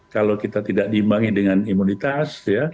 kalau kita tidak diimbangi dengan imunitas